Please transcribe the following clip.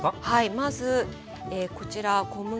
まずこちら小麦粉。